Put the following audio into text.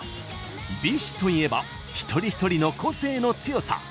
ＢｉＳＨといえば一人一人の個性の強さ。